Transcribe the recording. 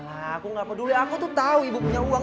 aku gak peduli aku tuh tau ibu punya uang